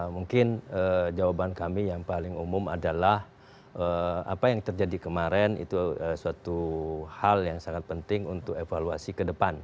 mungkin jawaban kami yang paling umum adalah apa yang terjadi kemarin itu suatu hal yang sangat penting untuk evaluasi ke depan